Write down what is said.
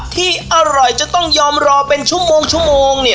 ที่อร่อยจะต้องยอมรอเป็นชั่วโมง